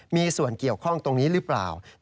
มีส่วนเกี่ยวข้องตรงนี้หรือเปล่า